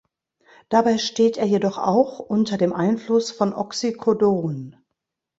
Dabei steht er jedoch auch unter dem Einfluss von Oxycodon.